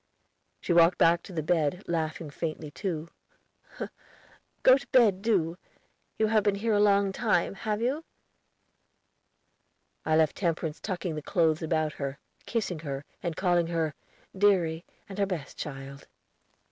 She walked back to the bed, laughing faintly, too. "Go to bed, do. You have been here a long time, have you?" I left Temperance tucking the clothes about her, kissing her, and calling her "deary and her best child."